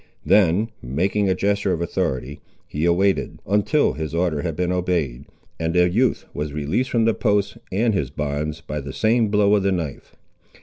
Then making a gesture of authority, he awaited, until his order had been obeyed, and the youth was released from the post and his bonds, by the same blow of the knife.